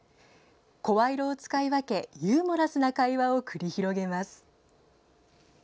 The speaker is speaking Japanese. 声色を使い分けユーモラスな会話を繰り広げます。